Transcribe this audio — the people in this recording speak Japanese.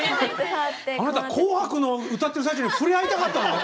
あなた「紅白」の歌ってる最中に触れ合いたかったの？